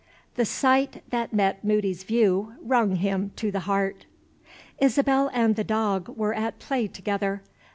THE sight that met Moody's view wrung him to the heart. Isabel and the dog were at play together.